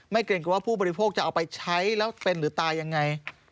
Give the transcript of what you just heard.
เกรงกับว่าผู้บริโภคจะเอาไปใช้แล้วเป็นหรือตายยังไง